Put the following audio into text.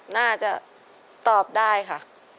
น่าจะตอบได้ค่ะ